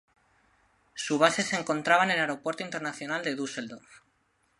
Su base se encontraba en el aeropuerto internacional de Düsseldorf.